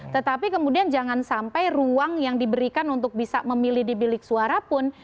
tetapi kemudian jangan sampai ruang yang diberikan untuk bisa memilih di bilik suara pun